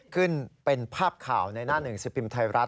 ขึ้นเป็นภาพข่าวในหน้าหนึ่งสิบพิมพ์ไทยรัฐ